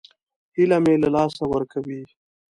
هیله مه له لاسه ورکوئ